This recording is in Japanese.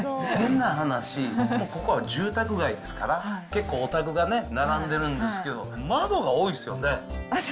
変な話、ここは住宅街ですから、結構、お宅が並んでるんですけど、窓が多いですよね。